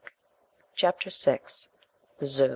CHAPTER VI. THE ZÛ.